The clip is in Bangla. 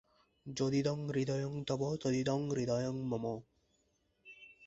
দারুল উলূম ইসলামিয়া রহমানিয়া’র একশ বছরের ইতিহাসে স্নাতক সংখ্যা চার হাজারেরও বেশি।